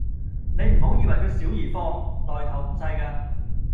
你唔好以為佢小兒科，來頭唔細架